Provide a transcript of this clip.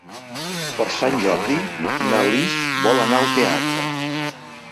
Per Sant Jordi na Lis vol anar al teatre.